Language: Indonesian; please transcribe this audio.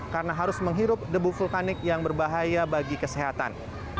karena harus menghirup debu vulkanik yang berbahaya bagi kesehatan